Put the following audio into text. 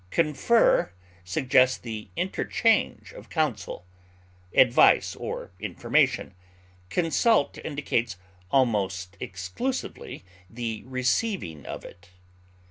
Confer suggests the interchange of counsel, advice, or information; consult indicates almost exclusively the receiving of it.